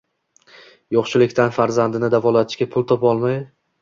Yo‘qchilikdan farzandini davolatishga pul topa olmay